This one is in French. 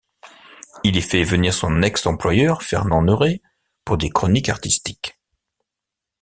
Il y fait venir son ex-employeur Fernand Neuray, pour des chroniques artistiques.